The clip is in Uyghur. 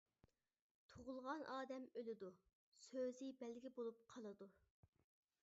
تۇغۇلغان ئادەم ئۆلىدۇ، سۆزى بەلگە بولۇپ قالىدۇ.